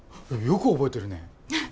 よく覚えてるね。